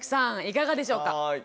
いかがでしょうか？